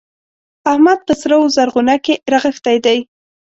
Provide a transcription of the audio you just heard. احمد په سره و زرغونه کې رغښتی دی.